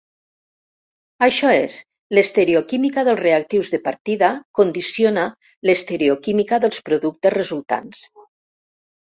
Això és, l'estereoquímica dels reactius de partida condiciona l'estereoquímica dels productes resultants.